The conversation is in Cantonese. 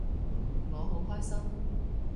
我好開心